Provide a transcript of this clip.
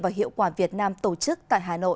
và hiệu quả việt nam tổ chức tại hà nội